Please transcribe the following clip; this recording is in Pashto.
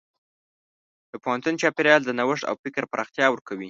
د پوهنتون چاپېریال د نوښت او فکر پراختیا ورکوي.